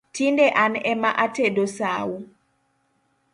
Tinde an ema atedo sau